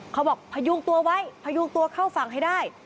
เขาบอกพายุ่งตัวไว้พายุ่งตัวเข้าฝั่งให้ได้